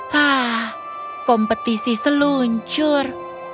haa kompetisi seluncur